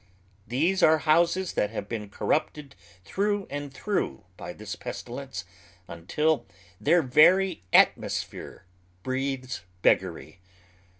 There are houses that have been corrupted through and through by this pestilence, until their Very atmosphere breathes beggary.